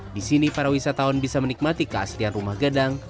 di sini para wisatawan bisa menikmati keaslian rumah gadang